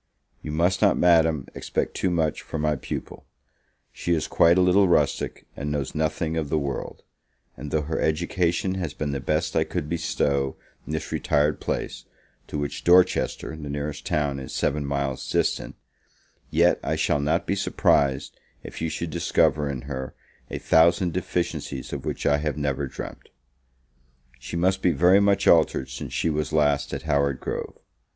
You must not, Madam, expect too much from my pupil; she is quite a little rustic, and knows nothing of the world; and though her education has been the best I could bestow in this retired place, to which Dorchester, the nearest town, is seven miles distant, yet I shall not be surprised if you should discover in her a thousand deficiencies of which I have never dreamt. She must be very much altered since she was last at Howard Grove.